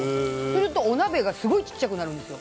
するとお鍋がすごい小さくなるんですよ。